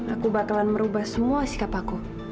aku bakalan merubah semua sikap aku